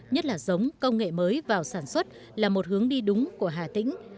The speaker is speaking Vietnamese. nhất là giống công nghệ mới vào sản xuất là một hướng đi đúng của hà tĩnh